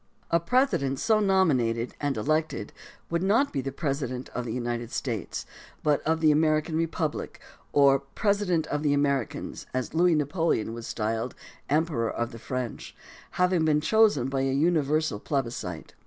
A President so nominated and elected would not be the President of the United States, but of the American Republic, or President of the Americans, as Louis Napoleon was styled Emperor of the French, having been chosen by a universal plebiscite.